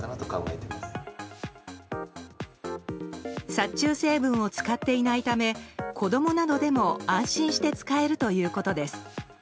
殺虫成分を使っていないため子供などでも安心して使えるということです。